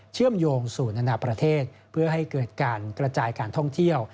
เชื่อมโยงสู่นานาประเทศเพื่อให้เกิดการกระจายการท่องเที่ยว